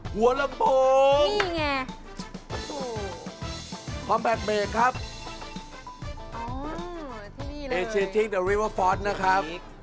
หัวละโพนี่ไงคอมแปลกเบรกครับ